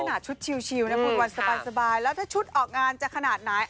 นี่ขนาดชุดชิวนะครับวันสบายแล้วถ้าชุดออกงานจะขนาดไหน